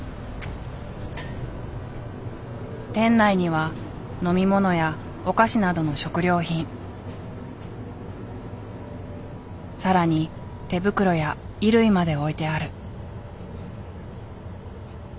店内には飲み物やお菓子などの食料品更に手袋や衣類まで置いてある。